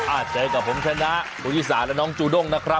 อาจจะให้กับผมชนะบุยริสาและน้องจูด้งนะครับ